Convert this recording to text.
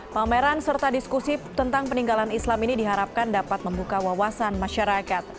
pameran serta diskusi tentang peninggalan islam ini diharapkan dapat membuka wawasan masyarakat